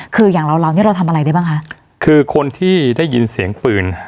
คืออย่างเราเรานี่เราทำอะไรได้บ้างคะคือคนที่ได้ยินเสียงปืน